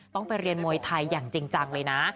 ต้องไปเรียนมวยไทยอย่างจริงจังเลยนะ